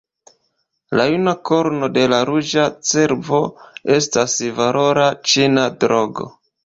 La juna korno de la ruĝa cervo estas valora ĉina drogo.